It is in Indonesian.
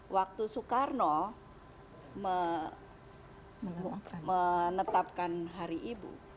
waktu soekarno menetapkan hari ibu